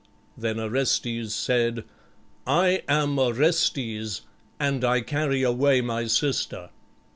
Then Orestes said, "I am Orestes, and I carry away my sister."